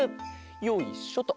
よいしょと。